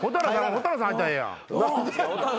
蛍原さん入ったらええやん。